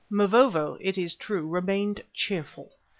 Mavovo, it is true, remained cheerful.